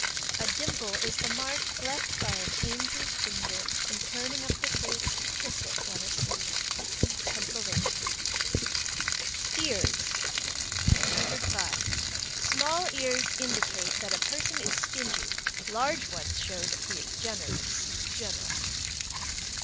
A dimple is the mark left by the angel's finger in turning up the face to kiss it when asleep. Pennsylvania. EARS. 105. Small ears indicate that a person is stingy. Large ones show that he is generous. General. 106.